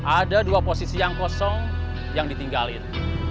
ada dua posisi yang kosong yang ditinggalin